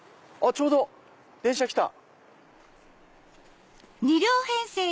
ちょうど電車来た。